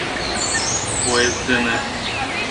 — Поезд дене.